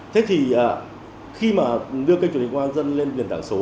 thế thì khi mà đưa kênh truyền hình công an dân lên nền tảng số